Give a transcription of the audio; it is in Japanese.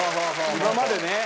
今までね。